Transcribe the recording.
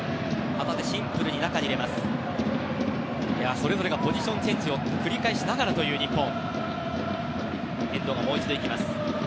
それぞれがポジションチェンジを繰り返しながらという日本。